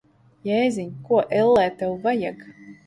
Jēziņ! Ko, ellē, tev vajag?